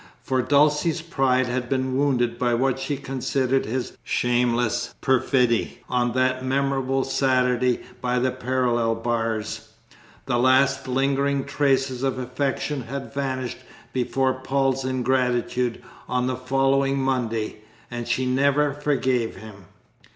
For Dulcie's pride had been wounded by what she considered his shameless perfidy on that memorable Saturday by the parallel bars; the last lingering traces of affection had vanished before Paul's ingratitude on the following Monday, and she never forgave him.